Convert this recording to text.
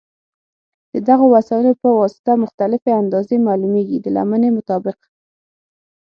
د دغو وسایلو په واسطه مختلفې اندازې معلومېږي د لمنې مطابق.